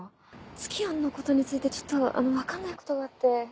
ツキヨンのことについてちょっと分かんないことがあって。